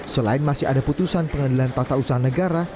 selain masih ada putusan pengadilan tata usaha negara